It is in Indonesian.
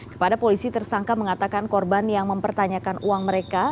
kepada polisi tersangka mengatakan korban yang mempertanyakan uang mereka